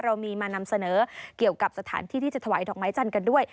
เรามีมานำเสนอเกี่ยวกับสถานที่ที่จะถวายดอกไม้จันทร์กันด้วย